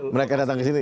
mereka datang ke sini